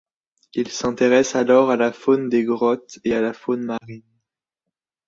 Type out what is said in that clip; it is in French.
Il s’intéresse alors à la faune des grottes et à la faune marine.